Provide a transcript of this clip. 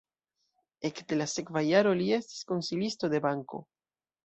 Ekde la sekva jaro li estis konsilisto de banko.